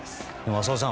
浅尾さん